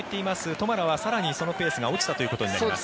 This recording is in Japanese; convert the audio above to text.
トマラは更にそのペースが落ちたということになります。